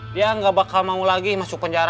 dia nggak bakal mau lagi masuk penjara